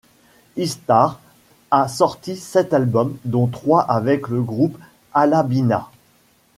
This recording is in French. Ishtar a sorti sept albums, dont trois avec le groupe Alabina.